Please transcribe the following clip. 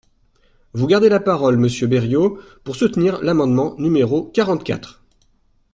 Vous gardez la parole, monsieur Berrios, pour soutenir l’amendement numéro quarante-quatre.